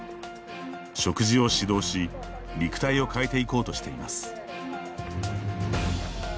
食事を指導し肉体を変えていこうとしています。